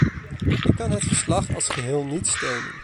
Ik kan het verslag als geheel niet steunen.